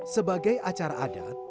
sebagai acara adat